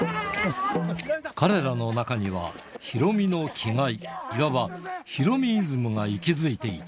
彼らの中には、ヒロミの気概、いわばヒロミイズムが息づいていた。